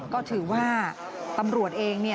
ก็ถือว่าตำรวจเอง